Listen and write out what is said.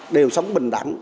đều sống bình đẳng